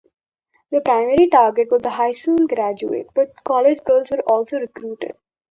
The primary target was the high school graduate but college girls were also recruited.